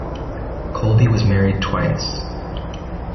Colby was married twice.